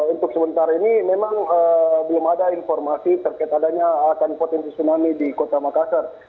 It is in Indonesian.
untuk sementara ini memang belum ada informasi terkait adanya akan potensi tsunami di kota makassar